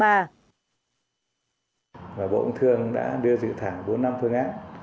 bộ bình thường đã đưa dự thẳng bốn năm phương án